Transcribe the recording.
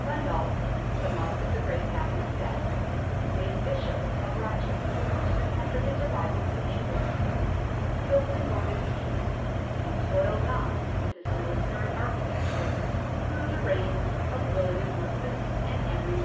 Gundulf, the monk of the great Abbey of Bee, made Bishop of Rochester soon after his arrival in England, built the Norman Keep, and he toiled on with his military architecture through the reigns of William THE FORTRESS 17 Rufus and Henry I.